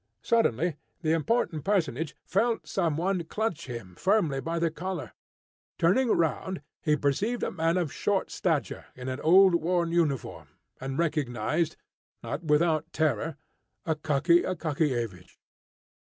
Suddenly the important personage felt some one clutch him firmly by the collar. Turning round, he perceived a man of short stature, in an old, worn uniform, and recognised, not without terror, Akaky Akakiyevich.